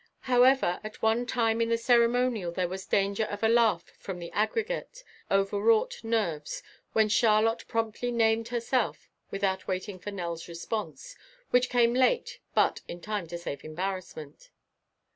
However, at one time in the ceremonial there was danger of a laugh from the aggregate, overwrought nerves when Charlotte promptly named herself without waiting for Nell's response which came late but in time to save embarrassment.